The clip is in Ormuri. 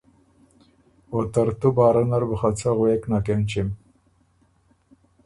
او ترتُو باره نر بُو خه څه غوېک نک اېنچِم۔